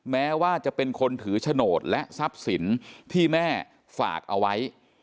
แม้ว่าจะเป็นคนถือโฉนดและทรัพย์สินที่แม่ฝากเอาไว้